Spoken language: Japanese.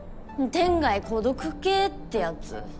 天涯孤独系ってやつ。